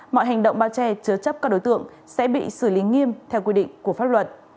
mọi hành động bao che chứa chấp các đối tượng sẽ bị xử lý nghiêm theo quy định của pháp luật